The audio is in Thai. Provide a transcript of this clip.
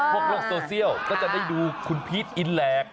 โลกโซเชียลก็จะได้ดูคุณพีชอินแหลก